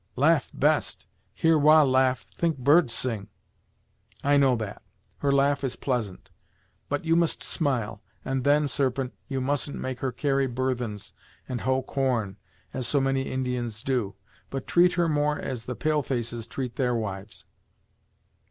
"Laugh, best. Hear Wah laugh, think bird sing!" "I know that; her laugh is pleasant, but you must smile. And then, Serpent, you mustn't make her carry burthens and hoe corn, as so many Indians do; but treat her more as the pale faces treat their wives."